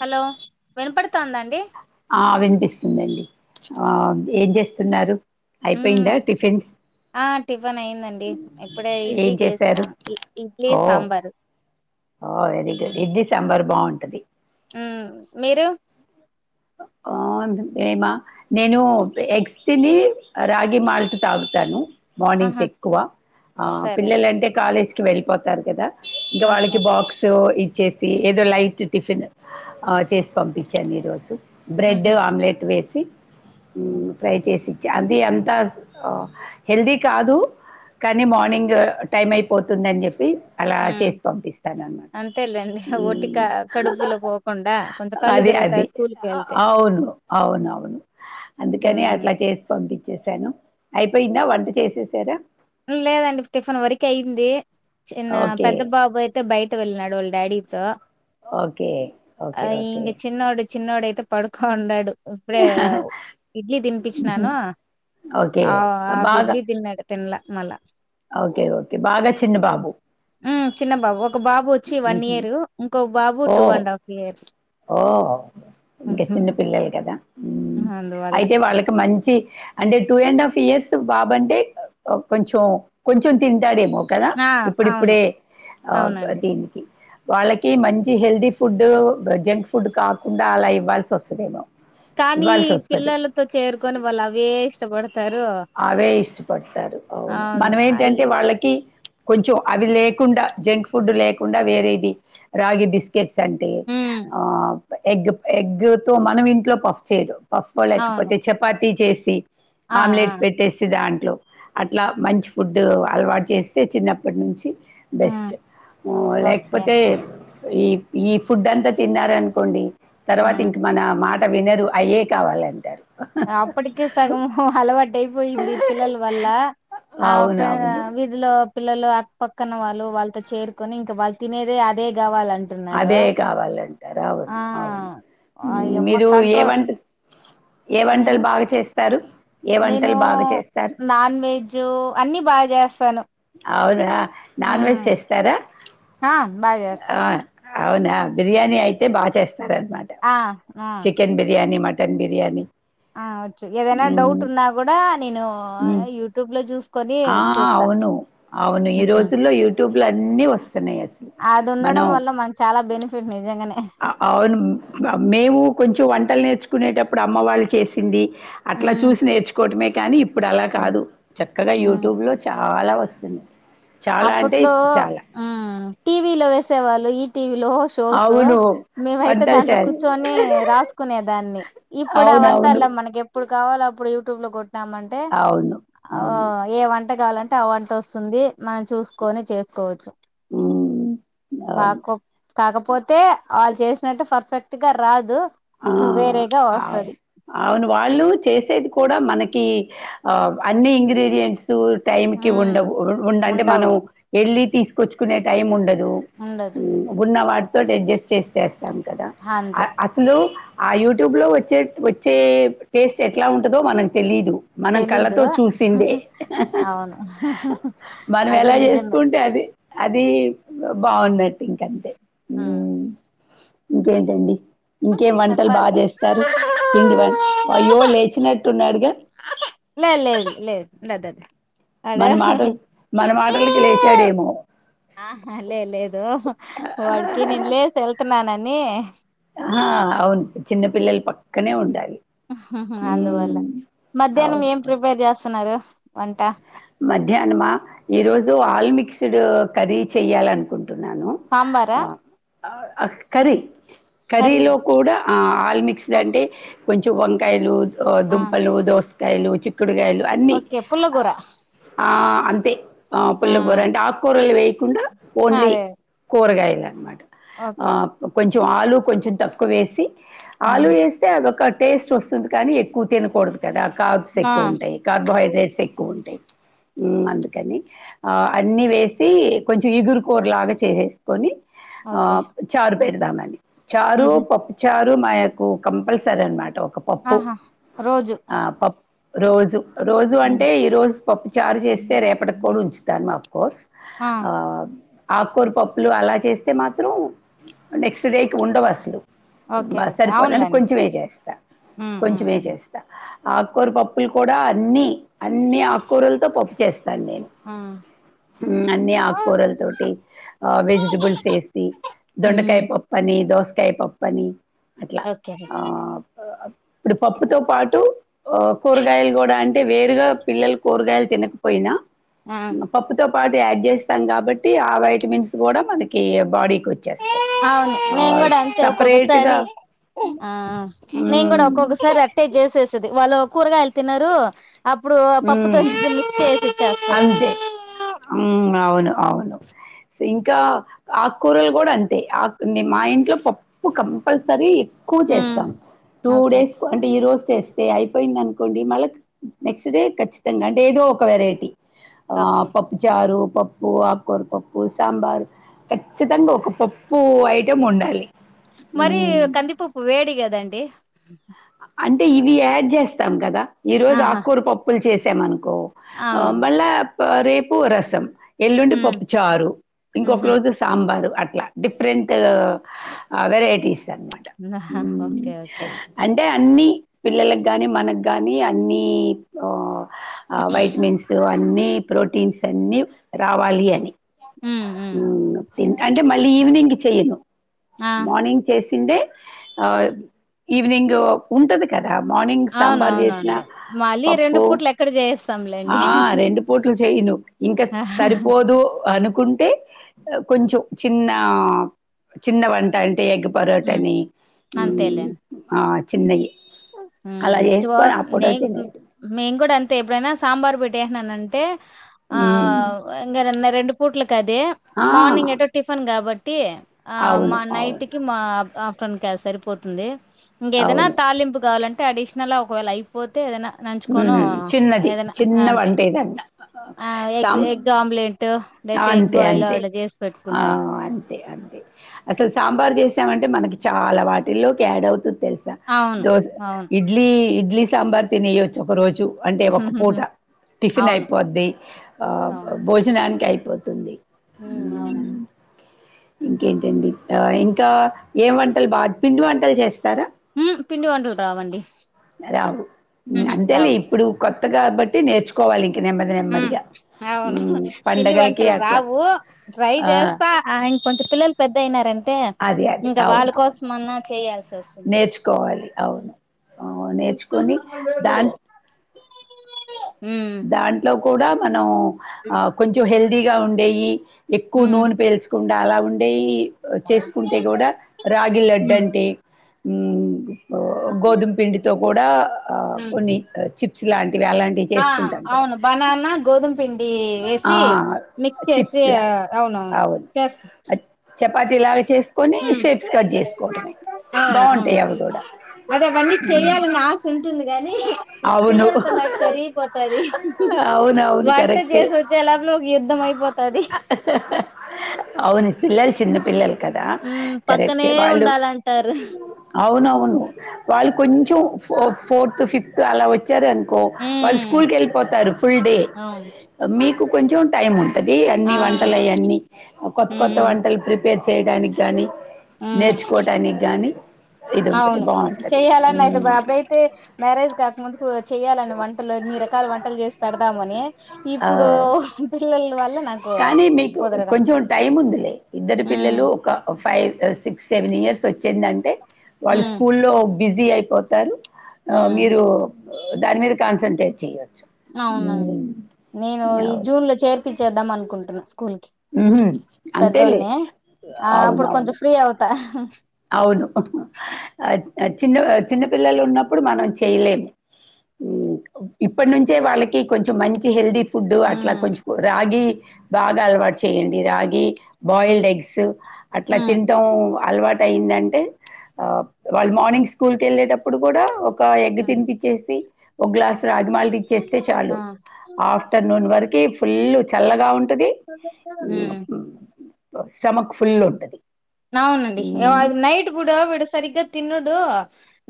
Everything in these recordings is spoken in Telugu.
హలో వినపడతాందా అండి ఆ వినిపిస్తుంది అండి ఆ ఏం చేస్తున్నారు మ్మ్ అయిపోయిందా టిఫిన్స్ ఆ టిఫిన్ అయిందండి ఇప్పుడే ఏం ఇడ్లీ చేశారు చేసినాము ఇ ఇడ్లీ ఓ సాంబారు ఆ వెరీ గుడ్ ఇడ్లీ సాంబార్ బాగుంటది యూ మీరు ఆ ఏమా నేను ఎగ్స్ తిని రాగి మాల్ట్ తాగుతాను మార్నింగ్స్ ఆహా ఎక్కువ ఆ సరే పిల్లలంటే కాలేజ్ వెళ్ళిపోతారు కదా ఇదో ఓకే వాళ్ళకి బ్యాంక్స్ ఇ చేసి ఏదో లైట్ టిఫిన్ ఆ చేసి పంపించాను ఈరోజు మ్మ్ బ్రెడ్ హ్మ్ ఆమ్లెట్ వేస్ సి యూ ట్రై చేసి అది అంతా ఆ హెల్దీ కాదు కానీ మార్నింగ్ టైం అయిపోతుందని చెప్పి అలా ఆ చేసి పంపిస్తాను అనమాట అంతేలేండి ఒటి క కడుపులో పోకుండా కొంచెం కళ్ళు తిరుగతాయి స్కూల్ కి వెళ్తే ఆ అవును అవును అవును అందుకని మ్మ్ అట్ల చేసి పంమ్ దీక్ చేశాను అయిపోయిందా వంట చేసేసారా లేదండి టిఫిన్ వరకు అయింది చిన్న ఓకే పెద్ద బాబు అయితే బయట వెళ్లాడు వాళ్ళ డాడీ స ఓకే ఆ ఓకే ఓకే ఇంకా చిన్నోడు చిన్నోడు అయితే పడుకో ఉన్నాడు ఇప్పుడే ఇడ్లీ తినిపించినాను ఓకే ఆ ఆఫ్ బాగా ఇడ్లీ తిన్నాడు తినలే మళ్ళా ఓకే ఓకే బాగా చ్ చిన్న బాబు ఉ చిన్న బాబు ఒక్క బాబు వచ్చి వన్ ఇయర్ ఇంకో బాబు టూ ఓ అండ్ హాఫ్ ఇయర్స్ ఓ ఇంకా చిన్న పిల్లలు కదా అందువల్ల అయితే వాళ్ళకి మంచి అంటే టూ అండ్ హాఫ్ ఇయర్స్ బాబ అంటే కొంచెం కొంచెం తింటాడేమో కదా ఆ అవును ఇప్పుడిప్పుడే ఆ అవునండి దీనికి వాళ్ళకి మంచి హెల్దీ ఫుడ్డూ జంక్ ఫుడ్ కాకుండా అలా ఇవ్వాల్సి వస్తదేమో కానీ పిల్లలతో చేరుకొని వాళ్ళు అవే ఇష్టపడ అవే ఇష్టపడతారు అవును మనం ఏంటంటే వాళ్ళకి కొంచెం అవి లేకుండా జంక్ ఫుడ్ లేకుండా వేరేది రాగి బిస్కెట్స్ అంటే మ్ ఆ ఎగ్ ఎగ్ తో మనం ఇంట్లో పఫ్ చేయరు పప్పో అవును లేకపోతే చపాతి చేసి సి ఆ ఆ చేస్తే దాంట్లో అట్లా మంచి ఫుడ్ అలవాటు చేస్తే చిన్నప్పటి నుంచి మ్ బెస్టు ఓకే లేకపోతే ఈ ఈ ఫుడ్డంతా తిన్నారనుకోండి తర్వాత మ్ ఇంక మన మా వినరు అయ్యే కావాలంటారు అప్పటికె సగం అలవా అయిపోయింది పిల్లల వల్ల ఆ ఫ్రె అవునవును వీదిలో పిల్లలు అక్కపక్కన వాళ్ళు వాళ్ళతో చేరుకొని ఇంకా వాళ్ళు తినేదే అదే కావాల అదే కావాలంటారు అవును అవును అయమ్మ మీరు కంట్రోల్ ఏవంట ఏ వంటలు ఉమ్, బాగా చేస్ స్తారు నేను నాన్ వెజూ అన్ని బాగా చేస్తాను అవున నాన్ వెజ్ చేస్తారా హా బాగజేస్తా ఆ అవునా బిర్యానీ అయితే బాగా చేస్ [unintelligible] ఆ ఆ చికెన్ బిర్యానీ మ చికన్ బిర్యానీ ఆ వచ్చు ఏదన్నా డౌట్ మ్మ్, ఉన్నా కూడ నేను మ్మ్. యూట్యూబ్ లో చూస్ ఆ అవును అవును ఈ ఉహు రోజుల్లో యూట్యూబ్ లొ అన్నీ వస్ అది మనం ఉండడం వల్ల మనకు చాలా బెనిఫిట్ నిజంగానే అవును మేము కొంచెం వంటలు నేర్చు కునేటప్పుడు అమ్మ వాళ్ళు చేసింది ఉ అట్ల చూసి నేర్చుకో [unintelligible] మే కానీ ఇప్పుడు అలా కాదు చక్ [unintelligible] ఉ యూట్యూబ్ లో చ చాల వస్తుంది చాలా అంటే అప్పట్లో చాలా. టీవీలో వేసే వాళ్ళు ఈటీవి షోస్ అవును. మేమయితే వంటలు దాంట్లో చేయాలి. కూర్చొని రాసుకునే దాన్ని ఇప్పుడు ఆ అవునవును. వంతాల్లో మనకి ఎప్పుడు కావాల అప్పుడు యూట్యూబ్ లో కొట్ అవును. అవును. [unintelligible] ఏమం వంట కావాలంటే అ వంట వస్తుంది మనం చూసుకొని చేసుకోవచ్చు హు పాకో కాకపోతే వాళ్ళు చేసినట్టు పర్ఫెక్ట్ గ రాదు వేరేగా ఆ వస్తది అవును వాళ్ళు చేసేది కూడ మన కీ అన్ని ఇంగ్రీడియంట్స్ టైమ్ కి మ్మ్ ఉండవు ఉండంటే మనం ఉండవు వెళ్ళి తీసుకొచ్చుకునే టైం ఉండ ఉండదు తోటి అడ్జస్ట్ చెస్ కద అంతే ఆ యూట్యూబ్ లో వచ్చే వచ్చే టేస్ట్ ఎట్లా ఉంటుదో మనకు తెలీయదు మనం తెలీదు కళ్ళతో చూసిందే అవును మనం అది ఎలా నిజమే చేసుకుంటే అది అది బాగున్ [unintelligible] ఆ ఇంకేంటండి ఇంకేం వంటలు చెప్పాలి బాగా చేస్తారు పిండి వంట అయ్యో లేచినట్టున్నాడుగా లేదు లేదు లేదు లేదు అది మన మాటలు అడ మన మాటలకి లేచాడేమో ఆహా లే లేదు నే ఆ అవును చిన్న పిల్లలు పక్కనే ఉండాలి హు హ్ అందువల్ల ఉమ్, మధ్యాహ్నం ఏం అవునవును ప్రిపేర్ చేస్తున్నారు వంటా మధ్యాహ్నమా ఈరోజు ఆల్ మిక్స్డ్ కర్రీ చేయాలనుకుంటు న్నాను సాంబారా ఆ కర్రి కర్రీ కర్రీలో కూడాఆ ఆల్ మిక్స్ అంటే కొంచెం వంకాయలు ఆ దుంపలు దోస కయాలు చిక్కుడు చిక్కుడుకాయలు అన్ని ఓకే ఆ పుల్లగూర ఆ అంతే ఆ పుల్లకూర అంటే ఆకు కూరలు వేసి కుండా ఓన్లీ అదే కూరగాయలు ఆన్ మాట ఓకే ఆప్ కొంచెం కొంచెం ఆలు కొంచెం తక్కువేసి ఆలు వేస్తే అదో కట్ టేస్ట్ వస్తుంది కానీ ఎక్కువ తినకూడదు కదా కాబ్స్ ఆ ఎక్కువ ఉంటాయి కార్బోహైడ్రేట్స్ ఎక్కువ ఉంటాయి మ్మ్ అందుకని ఆ అన్ని వేసి కొంచెం ఇగురుకూర లాగా చేసేసుకొని ఆ ఓకే చారు పెడుదామది చారు పప్పుచారు అది మాకు కంపల్సరి అన్నమాట ఒక పప్పు ఆహా రోజు ఆ పప్పు రోజు రోజు అంటే ఈ రోజు చారు చేస్తే రేపటికి కూడా ఉంచుతాను అఫ్ కోర్స్ ఆ ఆకు కూర పప్పులు అలా చేస్తే మాత్రం నెక్స్ట్ డేకి ఉండవు అసలు ఓకే బా ఓకే సరిపోలంటే కొంచెమే చేస్తా కొంచెమే అవునులేండి చేస్తా ఆకూరి పప్పులు కూడా అన్ని అన్ని ఆకు కూరలతో పప్పు చేస్ సాన్ నేను అన్ని ఆకూరల తోటి ఆ వెజిటబుల్స్ ఏసి దొండకాయ మ్మ్ పప్పుని దోస టై పప్పని అట్లా ఓకే ఆ ఓకే ఆ పప్పుతో పాటు ఊ కూరగాయలు గోడ అంటే అంటే వేరుగా పిల్లల్ కోరుగాయలు తినక పోయినా ఆ ఇంగ పప్పుతో పాటు యాడ్ చేస్తాం కాబట్టి ఆ వైటమిన్స్ కూడా మనకి బాడీకి వచ్చేస్తాయి అవును నేను కూడా అంతే సపరేట్గా ఒక్కొక్కసారి ఆ నేను కూడా ఒక్కొక్కసారి అట్టే చేసేసది వాళ్లు కూర్గయల్ ల్తినరు అప్పుడు ఆ పప్పుతో ఇగ మిక్స్ చేసిచ్చేస్తారు అంతే ఉమ్ అవును అవును సో ఇంకా ఆకుకూరలు కూడా అంతే అక్ మా ఇంట్లో పప్పు కంపల్సరీ కూ మ్మ్ చేస్తాం టూ ఓకే డేస్ కు అంటే ఈ రోజు తెస్తే అయిపోయింది అనుకోండి మళ్ళక్ నెక్స్ట్ ఇదే ఖచ్చితంగా అంటే ఏదో ఒక వెరైటీ ఆ ఓకే పప్పు చారు పప్పు ఆకూర పప్పు సాంబార్ ఖచ్చితంగా ఒక పప్పు ఐటం ఉండాలి మరి ఉమ్ కందిపప్పు వేడి కదండి అంటే ఇవి యాడ్ చేస్తాం కదా ఈ రోజు ఆహా ఆకూర పప్పులు చేస్ తెమను కు ఆ అవును మళ్ళ రేపు రసం ఎల్లుండి మ్మ్ పప్పు చారు మ్మ్ ఇంకొక హు రోజు సాంబారు అట్లా డిఫరెంట్ వెరైటీస్ అనమాట. ఆహాహా హా హ్మ్. ఓకే ఓకే అంటే అన్ని పిల్లలకు కానీ మనకు కానీ అన్ని ఒ ఆ వైట్మిన్స్ ఊ అన్ని ప్రోటీన్స్ అన్ని రావాలి అని మ్మ్ మ్మ్ జాగర్తా ఊ అ అంటే మళ్ళీ ఈవినింగ్ కి చెయ్యను ఆ మార్నింగ్ చేస్ తింటే ఆ ఈవెనింగ్. ఓ ఉంటది కద్. ఆ మార్నింగ్ సాంబార్ చేసిన అవునవునవునులే. మళ్ళీ పప్పు పూట్లెక్కడ జేయిస్తాంలేండి. ఆ రెండు పట్లు చేయునువ్ ఇంకా సరిపోదు అను. కుంటే ఆ కొంచెం చిన్న చిన్న వంట అంటే ఎగ్. హ్మ్. పరోటానీ ఉమ్. ఆ చిన్నయ్. ఉమ్ తోవ నేన్ తినేయడం మేం కూడా అంతే ఎప్పుడైనా సాంబార్ పెట్. దేహనన అంటే ఆ ఉమ్ ఇంగానాన్న రెండు పూట్లకు అదే ఆ మార్నింగ్ ఏటో టిఫిన్ కాబట్టి. టీ. ఆ అవును మా అవును నైట్కిికి మా ఆమ్. తునకై సరిపోతుంది. ఇంకేదన్న అవును తాలింపు. కావాలంటే అడిషనల్ ఒకవేళ అయిపోద్. ఉమ్ చిన్నది ఆ! అంతే. చిన్నవంటే ఆ! ఎగ్ సాం ఎగ్ ఆమ్లెట్ లేతే ఎగ్ అంతే బాయిలో అంతే అట్లా జేసి ఆ పెట్టుకుంటాం. అంతే అంతే అసలు సాంబార్ చేసామంటే. అంటే మనకి చాలా వాటిల్లో యాడ్ అవుతుంది. తెలుసా అవును. దోస్ అవును. ఇడ్లీ ఇడ్లీ. సాంబార్ తిని యోచ్. ఒకరోజు. అంటే ఒక పూట టిఫిన్ అవును. అయిపోద్ది. ఆ భోజనానికి అయిపో. ఉమ్ అవును. ఇంకేంటండి ఇట ఇంకా ఏం వంటలు బా పిండి వంటలు చేస్తా. ఉమ్ పిండి వంటలు రావండి‌. ఇగ అంతేలే ఇప్పుడు. కొత్త కాబట్టి నేర్చుకోవాలి. ఇంక నెమ్మది ఉమ్ నెమ్మదిగా. అవును హ్మ్. పిండి పండగలకి వంటలు అట్లా. రావు ట్రై ఆ! చేస్తా ఆ ఇంకొంచెం పిల్లలు పెద్ద అయినారంటే. అదే. టె అదే. ఇంక వాళ్ళ అవునవును. కోసం అన్నా చేయాల్సి వస్తుంది. నేర్చుకోవాలి అవును నేర్చుకొని దాన్. హ్మ్. దాంట్లో. కూడా మనం. అ కొంచెం హెల్త్. దిగా ఉండేయి. ఎక్కువ హ్మ్. నూనె పేల్చుకుండా అలా ఉంట్. డ చేసుకుంటే కూడా రాగి లడ్డు హ్మ్. అంటే మ్మ్ గోధుమ పిండితో కూడా ఆ హ్మ్. కొన్ని చి చ్ ల్యాండ్ ఇవ్వాలండి ఆ! చేసి అవును బననా గోధుమ పిండి ఆ, వేసి మిక్స్ చేసి చిప్స్ లాగా అవునవును కేస్ చపాతి లాగా చేసి మ్మ్ అ అవును బాగుంటాయి అవి కూడా బట్ అవన్నీ చెయాలని ఆశ ఉంటుంది కాని ఈ అవును పిల్లలతో నాకు సరిగిపోతది అవునవును వంట కరెక్టే. చేసి వచ్చేలోపలో ఒక యుద్ధం అయిపోతది అవును పిల్లలు చిన్న పల్లలు ఉ పక్కనే ఉండాలంటారు అవునవును వాళ్ళు కొంచెం ఫోర్త్ ఫిఫ్త్ లాలఓయ్ చారు అనుకో వాళ్ళు ఉమ్ స్కూల్ కి వెళ్ళిపోతారు ఫుల్ డే అవును మీకు కొంచెం టైం ఉంది అన్ని ఆ వంటలుయన్నీ కొత్త ఉమ్ కొత్త వంటలు ప్రిపేర్ చేయడానికి కానీ ఉమ్ నేర్చుకోవడానికి కానీ అవును చెయ్యాలని అయితే అప్పుడైతే మ్యారేజ్ కా అందుకో చెయాలని వంటలు ఎన్ని రకాల వంటలు చేసి పెడదామని ఇప్పుడు ఆ! పి వాళ్ళ కానీ మీకు కొంచెం టైం ఉందిలే ఇద్దరు ఉమ్ పిల్లలు ఒక ఒక ఫైవ్ సిక్స్ సెవెన్ ఇయర్స్ వచ్చిందంటే వాళ్ళ ఉమ్ స్కూల్లో బిజీ అయిపోతారు ఆ ఉమ్ మీరు దాని మీద కాన్సెంటట్రేట్ చేయ అవునండి నేను ఈ అవును జూన్ లో చేర్పించేద్దాం అనుకుంటుానా అ స్కూల్ కి ఉహుం, అంతేలే పెద్దోని ఆ అప్పుడు అవునవును కొంచెం ఫ్రీ అవుతా హస్ అవును చిన్న చిన్న పిల్లలు ఉన్నప్పుడు మనం చేయలేము, ఇప్పటి నుంచే వాళ్ళకి కొంచెం మంచి, హెల్దీ ఫుడ్ అట్లా మ్మ్ కొంచెం రాగి, బాగా అలవాటు చేయండి రాగి, బాయిల్డ్ ఎగ్స్ అట్లా హ్మ్ తింటాం అల్వాట్ అయిందంటే వాళ్ళు మార్నింగ్ స్కూల్కి వెళ్ళేటప్పుడు కూడా, ఒక ఎగ్ తినిపించేసి ఒక గ్లాస్ రాజమాల ఇ చ్చేస్తే చాలు ఆ ఆఫ్టర్నూన్ వరకు, ఫుల్లు చల్లగా ఉంట ది ఉ మ్మ్ హు స్టమక్ ఫుల్ ఉంటది. అవునండి హ్మ్. వాడు నైట్ పూట వీడు సరిగ్గా తి తిన్నడు,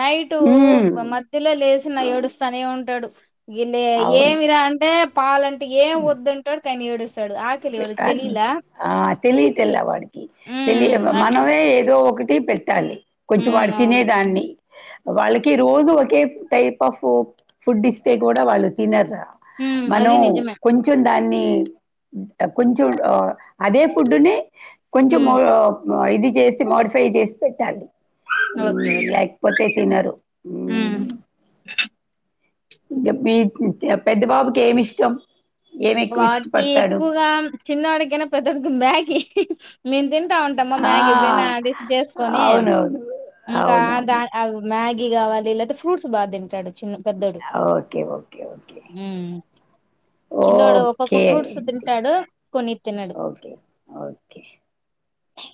నైట్టు హ్మ్. మధ్య లో లేసి, తిన్న ఏడుస్తానే ఉంటాడు. ఇగాలే అవును. ఏమిరా అంటే, పాలని ఏం వద్దు అంటాడు కానీ ఏడుస్తాడు, ఆకలి వాళ్ళకి తెలియలా ఆ తెలియట్లే వాడికి మ్మ్ తెలియదు అట్లా మనమే ఏదో ఒకటి పెట్టాలి. కొంచెం వాడు మ్మ్ అవును తినేదాన్ని, వాళ్ళకి రోజు ఒకే టైప్ ఆఫ్ ఫుడ్ ఇస్తే కూడా వాళ్ళు తినరా, మ్మ్ మనం అది నిజమే కొంచెం వాన్ని కొంచెం అదే ఫుడ్ని కొంచెం మ్మ్ ఇది చేసి మోడిఫై చేసి, పెట్టండి, ఉ ఓకే ఓకే లేకపోతే తినరు ఉ మ్మ్ ఇంకా మీ పెద్ద బాబుకి ఏమి ఇష్టం. ఏమి ఎక్కువ వాడికి ఇష్టపడతాడు ఎక్కువగా చిన్నవాడికైనా పెద్దనికి అయినా మ్యాగీ మీలాగదు, ఉంటామా ఆ మ్యాగి ఎప్పుడైనా డిస్ట్ చేసుకొన్ని అవునవును ఇంకా దా అవునవును మ్యాగి కాగా వీళ్ళు అయితే ఫ్రూట్స్ బాగా తింటాడు. చిన్న పెద్దోడు ఓకే, ఓకే, ఓకే చిన్నోడు ఒక్కొక్క ఓకే ఫ్రూట్స్ అండి తింటాడు కొన్నీ తినడు ఓకే ఓకే